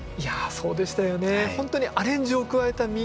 そうでしたよね。